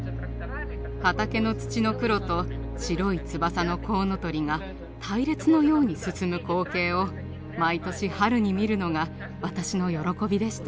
畑の土の黒と白い翼のコウノトリが隊列のように進む光景を毎年春に見るのが私の喜びでした。